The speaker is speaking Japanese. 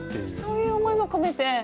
わあそういう思いも込めて。